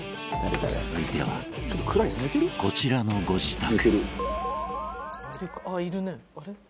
続いてはこちらのご自宅。